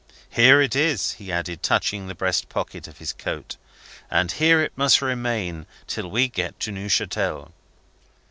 Here it is," he added, touching the breast pocket of his coat, "and here it must remain till we get to Neuchatel."